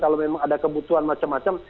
kalau memang ada kebutuhan macam macam